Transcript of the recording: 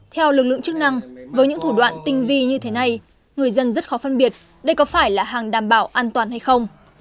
theo lực lượng chức năng với những thủ đoạn tinh vi như thế này người dân rất khó phân biệt đây có phải là hàng đảm bảo an toàn hay không